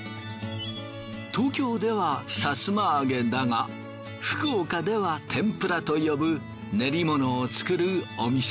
東京ではさつま揚げだが福岡では天ぷらと呼ぶ練り物を作るお店。